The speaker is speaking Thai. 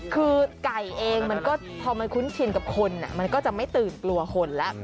คือไก่เองมันก็พอมันคุ้นชินกับคนมันก็จะไม่ตื่นกลัวคนแล้ว